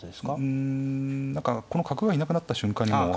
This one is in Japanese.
うん何かこの角がいなくなった瞬間にもう危なくなる。